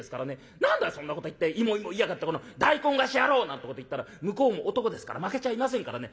『何だいそんなこと言って芋芋言いやがってこの大根河岸野郎！』なんてこと言ったら向こうも男ですから負けちゃいませんからね